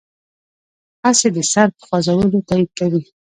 هسې د سر په خوځولو تایید کوي.